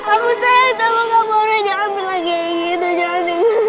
aku tak mau kamu jangan bilang kayak gitu jangan